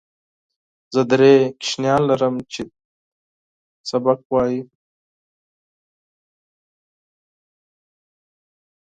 زه درې ماشومان لرم چې درس وايي.